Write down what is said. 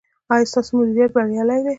ایا ستاسو مدیریت بریالی دی؟